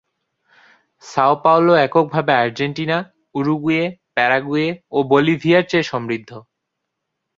Sao Paulo একক ভাবে Argentina, Uruguay, Paraguay ও বলিভিয়ার চেয়ে সমৃদ্ধ।